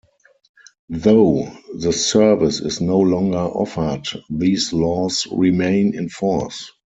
Though the service is no longer offered, these laws remain in force.